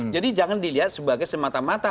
jadi jangan dilihat sebagai semata mata